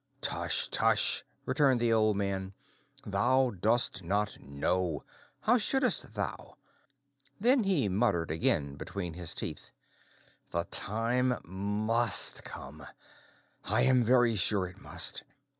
"Tush, tush!" returned the old man, "thou dost not know; how shouldst thou?" Then he muttered again between his teeth, "The time must come—I am very sure it must.